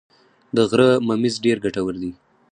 د غره ممیز ډیر ګټور دي